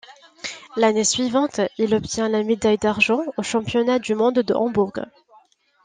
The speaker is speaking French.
L'année suivante, il obtient la médaille d'argent aux championnats du monde de Hambourg.